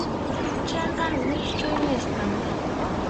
Chayqa wischʼuy nisqam.